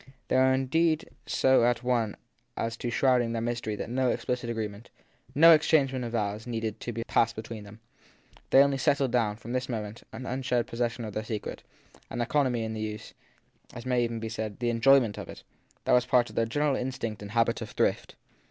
They were indeed so at one as to shrouding their mystery that 110 explicit agreement, no exchange of vows, needed to pass between them ; they only settled down, from this moment, to an unshared possession of their secret, an economy in the use and, as may even be said, the enjoyment of it, that was part of their general instinct and habit of thrift.